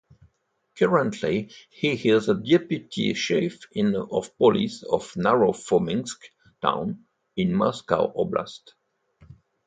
Currently he is a deputy chief of police of Naro-Fominsk town in Moscow Oblast.